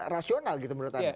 rasional gitu menurut anda